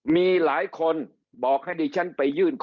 มีหลายคนบอกให้ดิฉันไปยื่นต่อ